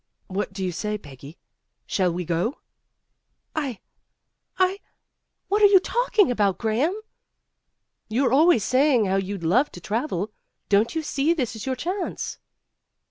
"What do you say, Peggy ? Shall we go ?" "I I what are you talking about Graham?" "You're always saying how you'd love to travel. Don't you see this is your chance."